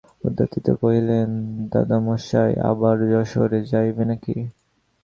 উদয়াদিত্য কহিলেন, দাদামহাশয়, আবার যশোহরে যাইবে নাকি?